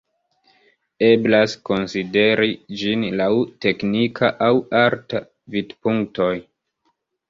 Eblas konsideri ĝin laŭ teknika aŭ arta vidpunktoj.